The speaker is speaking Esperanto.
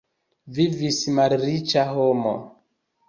Vivis malriĉa homo.